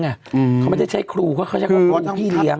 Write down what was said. เขาไม่ได้ใช้ครูเขาใช้คำว่าครูพี่เลี้ยง